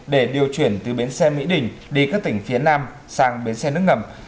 để điều chuyển từ biến xe mỹ đình đi các tỉnh phía nam sang biến xe nước ngầm